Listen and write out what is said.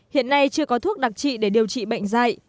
hiện nay chưa có thuốc đặc trị để điều trị bệnh dạy